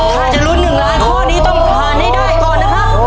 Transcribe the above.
ถ้าจะลุ้น๑ล้านข้อนี้ต้องผ่านให้ได้ก่อนนะครับ